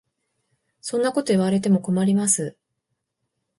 そんなこと言われても困ります。